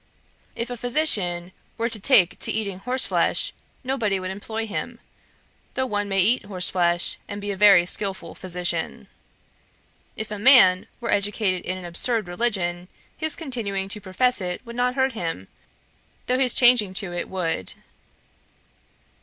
If a physician were to take to eating of horse flesh, nobody would employ him; though one may eat horse flesh, and be a very skilful physician. If a man were educated in an absurd religion, his continuing to profess it would not hurt him, though his changing to it would.'